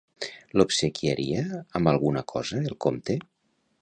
L'obsequiaria amb alguna cosa el comte?